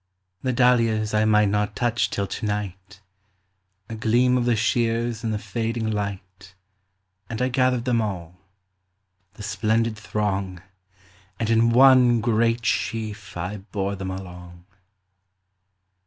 The dahlias I might not touch till to night!A gleam of the shears in the fading light, And I gathered them all,—the splendid throng, And in one great sheaf I bore them along..